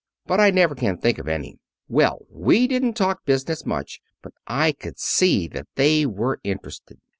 But I never can think of any. Well, we didn't talk business much. But I could see that they were interested.